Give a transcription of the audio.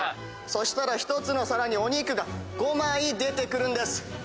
そしたら１つの皿にお肉が５枚出てくるんです。